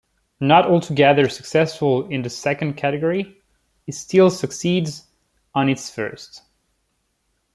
Not altogether successful in the second category, it still succeeds on its first.